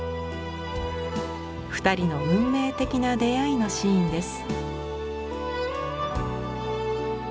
二人の運命的な出会いのシーンです。